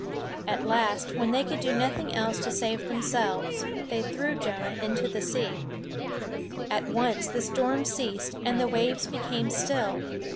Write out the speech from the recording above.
At last, when they could do nothing else to save themselves, they threw Jonah into the sea. At once the storm ceased, and the waves became still.